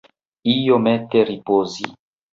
Iomete ripozi.